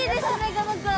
この子。